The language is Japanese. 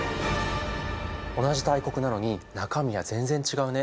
同じ大国なのに中身は全然違うね。